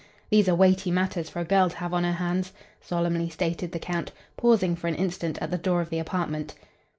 These are weighty matters for a girl to have on her hands," solemnly stated the Count, pausing for an instant at the door of the apartment.